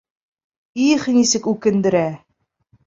Их, нисек үкендерә!